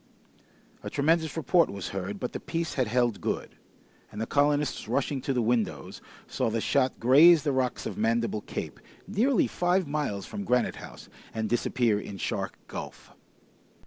A tremendous report was heard, but the piece had held good, and the colonists rushing to the windows, saw the shot graze the rocks of Mandible Cape, nearly five miles from Granite House, and disappear in Shark Gulf.